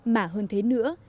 mà hơn thế nữa